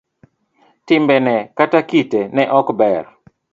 Timbene kata kite ne ok ber.